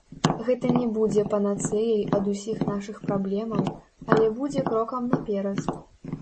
Гэта не будзе панацэяй ад усіх нашых праблемаў, але будзе крокам наперад.